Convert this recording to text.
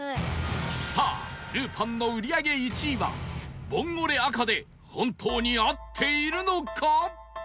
さあるーぱんの売り上げ１位はボンゴレ赤で本当に合っているのか？